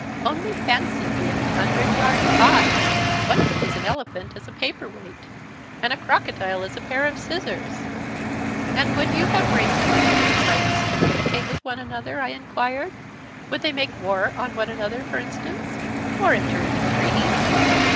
"Only fancy being a hundred yards high! One could use an elephant as a paper weight, and a crocodile as a pair of scissors!" "And would you have races of different sizes communicate with one another?" I enquired. "Would they make war on one another, for instance, or enter into treaties?"